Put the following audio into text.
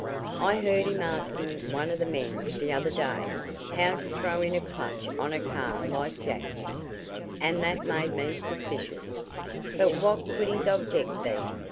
I heard him asking one of the men, the other day, how to throw in a clutch on a car like Jack's, and that made me suspicious." "But what could his object be?"